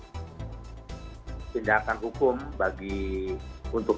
untuk dijadikan tujukan bagi aparatus kepolisian dan kerjasaan untuk melakukan penyelidikan